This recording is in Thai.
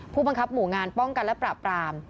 ผู้บังคับหมู่งานป้องกันและปราบราม